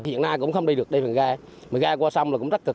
hiện nay cũng không đi được đi phần ga mà ga qua sông là cũng rất cực